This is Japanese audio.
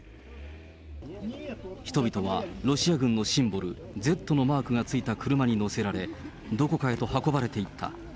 人々はロシア軍のシンボル、Ｚのマークがついた車に乗せられ、どこかへと運ばれていった。